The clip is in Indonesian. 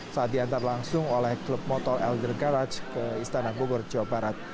saat diantar langsung oleh klub motor elder garage ke istana bogor jawa barat